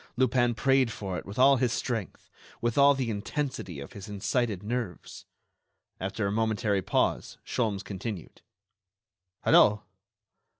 Lupin prayed for it with all his strength, with all the intensity of his incited nerves! After a momentary pause, Sholmes continued: "Hello!...